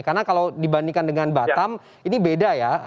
karena kalau dibandingkan dengan batam ini beda ya